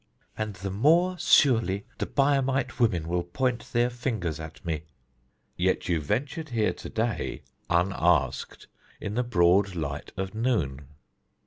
"And the more surely the Biamite women will point their fingers at me." "Yet you ventured here to day, unasked, in the broad light of noon."